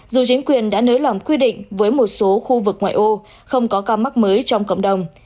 dù chính quyền đã nới lỏng quy định với một số khu vực ngoại ô không có ca mắc mới trong cộng đồng